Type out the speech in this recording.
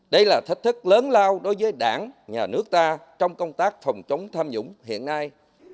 đây là thách thức lớn lao đối với đảng nhà nước ta trong công tác phòng chống tham nhũng hiện nay